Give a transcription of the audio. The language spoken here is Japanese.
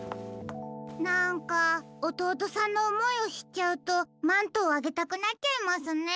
なんかおとうとさんのおもいをしっちゃうとマントをあげたくなっちゃいますね。